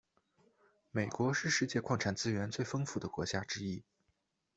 美国是世界矿产资源最丰富的国家之一。